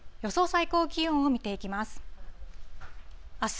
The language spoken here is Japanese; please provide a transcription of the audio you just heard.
最高気温を見ていきます。